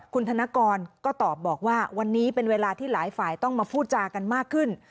คุณธนกรก็ตอบบอกว่าวันนี้เป็นเวลาที่หลายฝ่ายต้องมาพูดจากันมากขึ้น